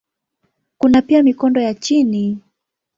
Kuna pia mikondo ya chini.